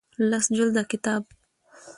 لس جلده کتاب